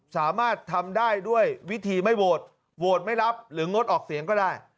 สามารถทำได้ด้วยวิธีไม่โหวตโหวตไม่รับหรืองดออกเสียงก็ได้